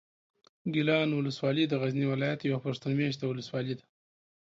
ګیلان اولسوالي د غزني ولایت یوه پښتون مېشته اولسوالي ده.